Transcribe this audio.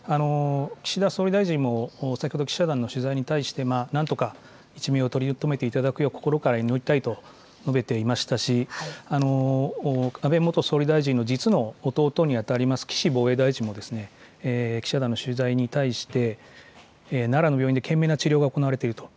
岸田総理大臣も、先ほど記者団の取材に対して、なんとか一命を取り留めていただくよう、心から祈りたいと述べていましたし、安倍元総理大臣の実の弟に当たります岸防衛大臣も、記者団の取材に対して、奈良の病院で懸命の治療が行われていると。